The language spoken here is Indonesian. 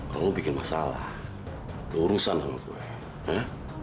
kalau lu bikin masalah lu urusan sama gue ha